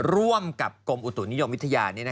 ร่วมกับกรมอุตุนิยมวิทยา